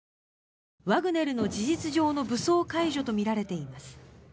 ワグネルの事実上の武装解除とみられています。